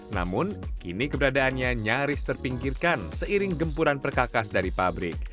namun kini keberadaannya nyaris terpinggirkan seiring gempuran perkakas dari pabrik